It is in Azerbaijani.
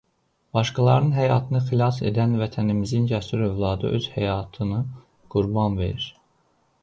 Başqalarının həyatını xilas edən vətənimizin cəsur övladı öz həyatını qurban verir.